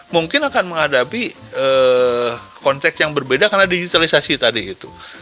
mungkin akan menghadapi konteks yang berbeda karena digitalisasi tadi itu